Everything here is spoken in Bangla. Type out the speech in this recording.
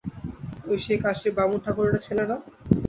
ওই সেই কাশীর বামুন ঠাকরুনের ছেলে না?